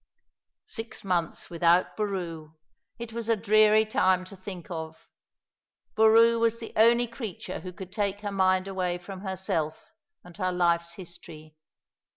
Six months without Boroo! It was a dreary time to think of. Boroo was the only creature who could take her mind away from herself and her life's history.